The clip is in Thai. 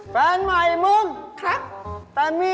แฟนใหม่มึงครับ